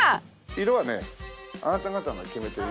色はねあなた方が決めていい。